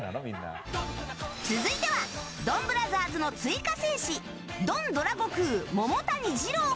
続いてはドンブラザーズの追加戦士ドンドラゴクウ